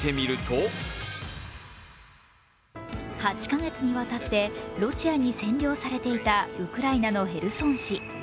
８か月にわたってロシアに占領されていたウクライナのヘルソン市。